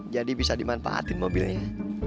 jadi bisa dimanfaatin mobilnya